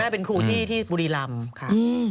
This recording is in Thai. เป็นผู้ที่บุรีลำ